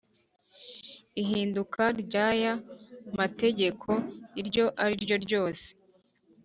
Ihinduka ry aya mategeko iryo ari ryo ryose